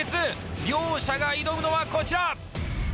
両者が挑むのはこちら！